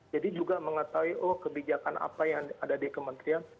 jadi juga mengetahui oh kebijakan apa yang ada di kementerian